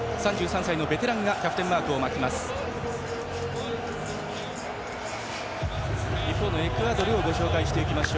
３３歳のベテランがキャプテンマークを巻きます。